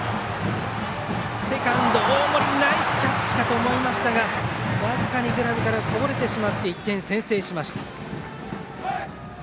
セカンド、大森ナイスキャッチかと思われましたが僅かにグラブからこぼれてしまって１点先制しました。